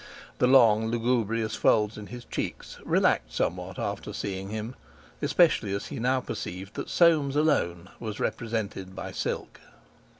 The long, lugubrious folds in his cheeks relaxed somewhat after seeing him, especially as he now perceived that Soames alone was represented by silk.